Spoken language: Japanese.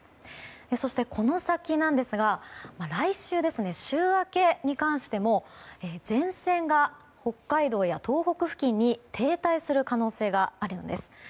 そして、この先ですが来週、週明けに関しても前線が北海道や東北付近に停滞する可能性があるんです。